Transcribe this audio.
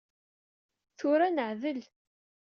Tura neɛdel.